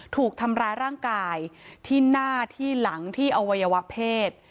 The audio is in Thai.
ถูกทำร้ายร่างกายที่หน้าที่หลังที่อวัยวะเพศ